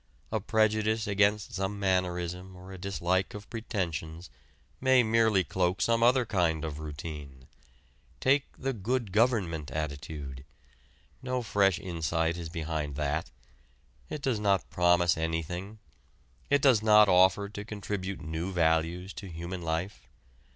A prejudice against some mannerism or a dislike of pretensions may merely cloak some other kind of routine. Take the "good government" attitude. No fresh insight is behind that. It does not promise anything; it does not offer to contribute new values to human life.